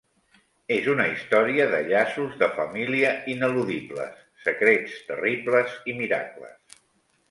Es una historia de llaços de família ineludibles, secrets terribles i miracles.